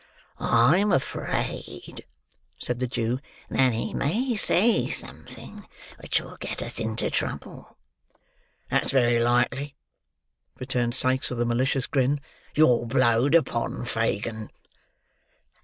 "I'm afraid," said the Jew, "that he may say something which will get us into trouble." "That's very likely," returned Sikes with a malicious grin. "You're blowed upon, Fagin."